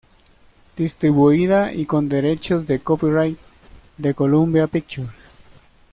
Distribuida y con derechos de copyright de Columbia Pictures.